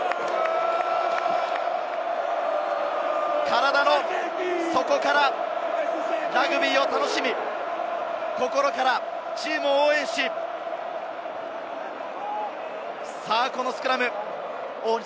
体の底からラグビーを楽しみ、心からチームを応援し、このスクラム。